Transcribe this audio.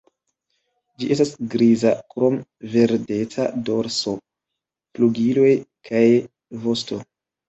Ĝi estas griza, krom verdeca dorso, flugiloj kaj vosto.